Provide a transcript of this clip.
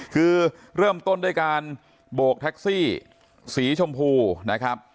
คือเริ่มต้นด้วยการโบกแท็กซี่สีชมพูนะครับ